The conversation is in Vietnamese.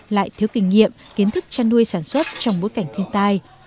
lại thiếu kinh nghiệm kiến thức chăn nuôi sản xuất trong bối cảnh thiên tai